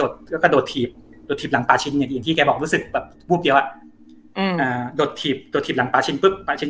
เทียบหลังป่าชิ้นเล็กแกะล้มลื่นตอนที่พี่แจ๊กรอดไป